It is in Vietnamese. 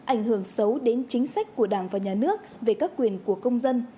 ảnh hưởng xấu đến chính sách của đảng và nhà nước về các quyền của công dân